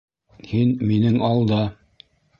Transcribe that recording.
Һин минең алда!